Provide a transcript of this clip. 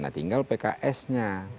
nah tinggal pksnya